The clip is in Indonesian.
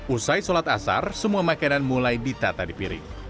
usai sholat asar semua makanan mulai ditata di piring